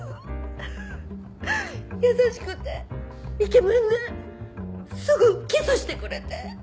優しくてイケメンですぐキスしてくれて。